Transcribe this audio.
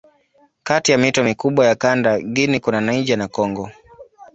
Kati ya mito mikubwa ya kanda Guinea kuna Niger na Kongo.